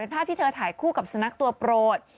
เป็นความที่ถ่ายคู่กับสนักตัวโปรด